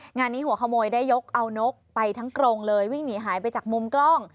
งานนี้หัวขโมยได้ยกเอานกไปทั้งกรงเลยวิ่งหนีหายไปจากมุมกล้อง